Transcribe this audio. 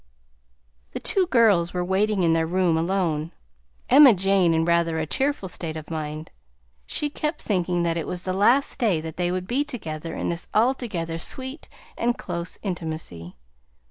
The two girls were waiting in their room alone, Emma Jane in rather a tearful state of mind. She kept thinking that it was the last day that they would be together in this altogether sweet and close intimacy.